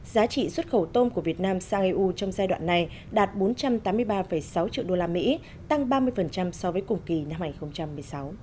giá trị xuất khẩu tôm của việt nam sang eu trong giai đoạn này đạt bốn trăm tám mươi ba sáu triệu usd tăng ba mươi so với cùng kỳ năm hai nghìn một mươi sáu